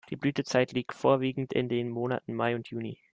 Die Blütezeit liegt vorwiegend in den Monaten Mai und Juni.